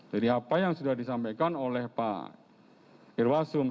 jadi apa yang sudah disampaikan oleh pak irwasum